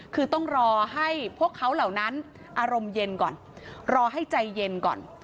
คือต้องรอให้พวกเขาเหล่านั้นอารมณ์เย็นก่อนรอให้ใจเย็นก่อน